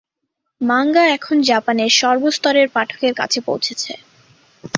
Manga এখন জাপানের সর্বস্তরের পাঠকের কাছে পৌঁছেছে।